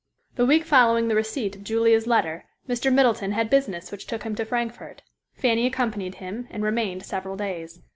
The week following the receipt of Julia's letter Mr. Middleton had business which took him to Frankfort. Fanny accompanied him and remained several days.